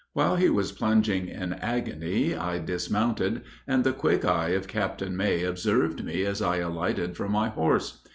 While he was plunging in agony I dismounted, and the quick eye of Captain May observed me as I alighted from my horse.